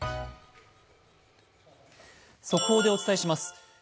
速報でお伝えします。